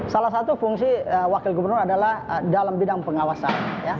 salah satu fungsi wakil gubernur adalah dalam bidang pengawasan